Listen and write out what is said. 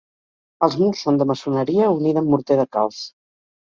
Els murs són de maçoneria unida amb morter de calç.